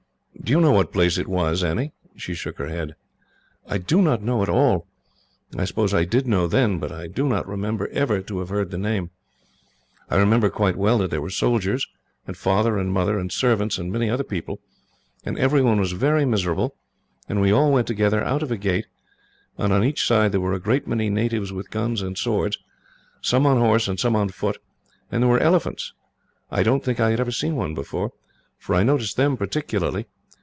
"Do you know what place it was, Annie?" She shook her head. "I do not know at all. I suppose I did know, then, but I do not remember ever to have heard the name. I remember quite well that there were soldiers, and Father and Mother, and servants, and many other people, and everyone was very miserable, and we all went together out of a gate, and on each side there were a great many natives with guns and swords, some on horse and some on foot; and there were elephants. I don't think I had ever seen one before, for I noticed them particularly.